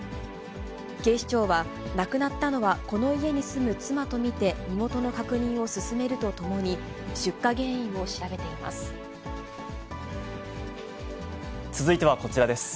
警視庁は、亡くなったのは、この家に住む妻と見て、身元の確認を進めるとともに、出火原因を調べています。